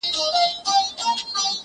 څو به زمان ګرځوي موجونه له بېړیو؛